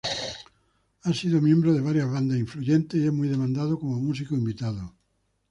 Ha sido miembro de varias bandas influyentes y es muy demandado como músico invitado.